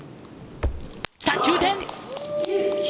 来た、９点！